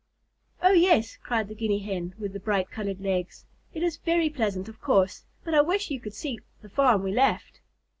"Oh, yes," cried the Guinea Hen with the bright colored legs, "it is very pleasant, of course, but I wish you could see the farm we left."